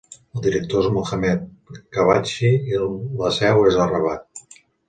El director és Mohammed Khabbachi i la seu és a Rabat.